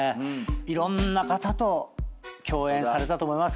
いろんな方と共演されたと思います。